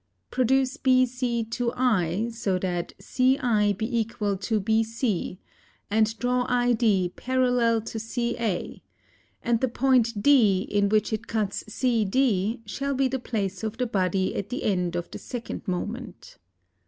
Produce BC to I so that CI be equall to BC & draw ID parallel to CA & the point D in which it cuts CD shall be the place of the body at the end of the second moment.